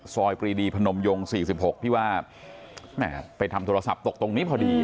ปรีดีพนมยง๔๖ที่ว่าแม่ไปทำโทรศัพท์ตกตรงนี้พอดี